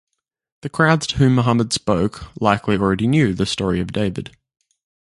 The crowds to whom Muhammad spoke likely already knew the story of David.